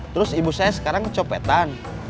terus ibu saya sekarang copetan